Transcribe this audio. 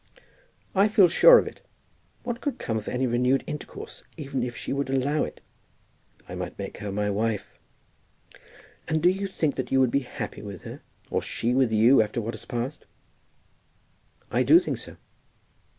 "I feel sure of it. What could come of any renewed intercourse, even if she would allow it?" "I might make her my wife." "And do you think that you would be happy with her, or she with you, after what has passed?" "I do think so."